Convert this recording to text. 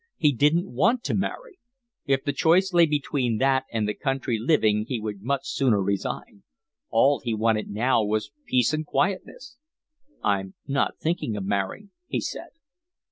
He didn't want to marry. If the choice lay between that and the country living he would much sooner resign. All he wanted now was peace and quietness. "I'm not thinking of marrying," he said.